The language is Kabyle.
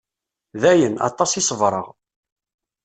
D ayen, aṭas i ṣebreɣ.